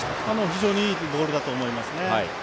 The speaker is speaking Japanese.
非常にいいボールだと思いますね。